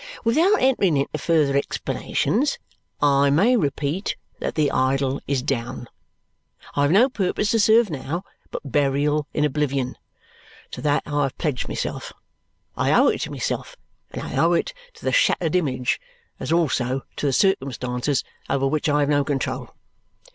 Without entering into further explanations, I may repeat that the idol is down. I have no purpose to serve now but burial in oblivion. To that I have pledged myself. I owe it to myself, and I owe it to the shattered image, as also to the circumstances over which I have no control.